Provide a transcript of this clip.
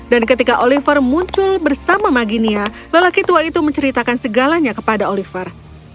dan ketika oliver muncul bersama maginia lelaki tua itu menceritakan segalanya kepada oliver